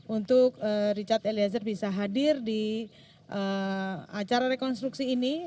untuk richard eliezer bisa hadir di acara rekonstruksi ini